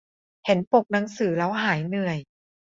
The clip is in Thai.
เห็นปกหนังสือแล้วหายเหนื่อย